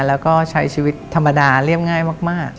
แล้วก็ใช้ชีวิตธรรมดาเรียบง่ายมาก